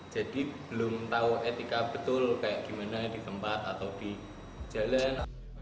jadi belum tahu etika betul kayak gimana di tempat atau di jalan